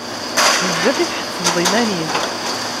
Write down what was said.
Bezzaf i tḥettbeḍ iman-im!